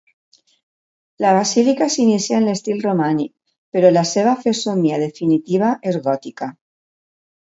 La basílica s'inicià en l'estil romànic, però la seva fesomia definitiva és gòtica.